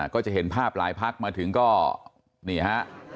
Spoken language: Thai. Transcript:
ก็จะเห็นภาพหลายพักมาถึงก็นี่ฮะ